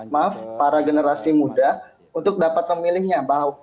maaf para generasi muda untuk dapat memilihnya